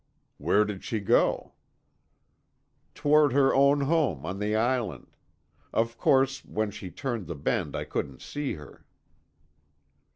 "Where did she go?" "Toward her own home, on the Island. Of course, when she turned the bend I couldn't see her."